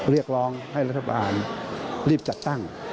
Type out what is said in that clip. เรียกร้องให้รัฐบาลรีบจัดตั้ง